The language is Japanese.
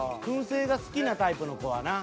燻製が好きなタイプの子はな。